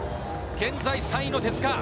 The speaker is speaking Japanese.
現在３位の手塚。